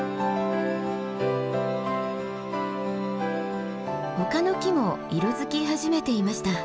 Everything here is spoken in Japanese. ほかの木も色づき始めていました。